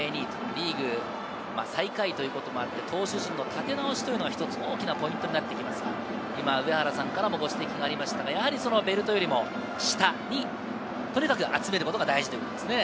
リーグ最下位ということもあり、投手陣の立て直しが一つ大きなポイントになってきますが、今、上原さんからもありましたが、ベルトよりも下にとにかく集めることが大事ということですね。